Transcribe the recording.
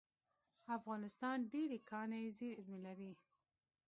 افغانستان ډیرې کاني زیرمې لري